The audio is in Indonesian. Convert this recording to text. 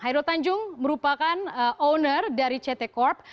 hairul tanjung merupakan owner dari ct corp